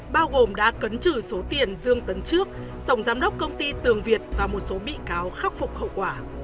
bao gồm đã cấn trừ số tiền dương tấn trước tổng giám đốc công ty tường việt và một số bị cáo khắc phục hậu quả